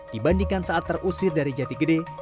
dibandingkan saat terusir dari jati gede